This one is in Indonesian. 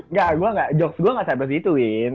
nggak gue nggak joks gue nggak sampai di situ win